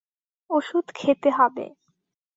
ওষুধ খেতে হবে।